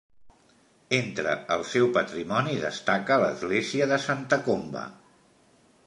Entre el seu patrimoni destaca l'església de Santa Comba.